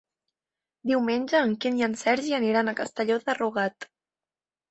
Diumenge en Quim i en Sergi aniran a Castelló de Rugat.